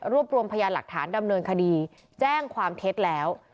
รวมรวมพยานหลักฐานดำเนินคดีแจ้งความเท็จแล้ว